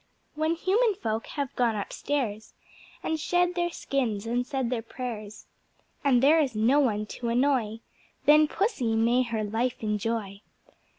When Human Folk have gone upstairs, And shed their skins and said their prayers, And there is no one to annoy, Then Pussy may her life enjoy.